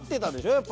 やっぱ。